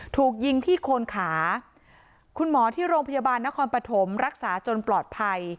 ถูกยิงที่โคนขาคุณหมอที่โรงพยาบาลนครปฐมรักษาจนปลอดภัย